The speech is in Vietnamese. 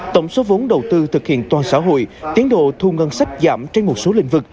tổng số vốn đầu tư thực hiện toàn xã hội tiến độ thu ngân sách giảm trên một số lĩnh vực